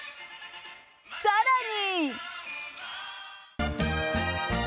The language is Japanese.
さらに。